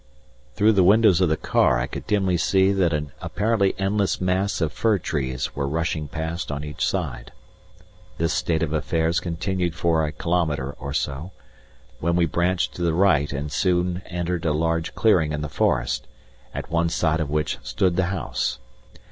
Through the windows of the car I could dimly see that an apparently endless mass of fir trees were rushing past on each side. This state of affairs continued for a kilometre or so, when we branched to the right and soon entered a large clearing in the forest, at one side of which stood the house.